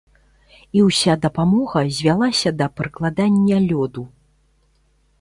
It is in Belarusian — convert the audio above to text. І ўся дапамога звялася да прыкладання лёду.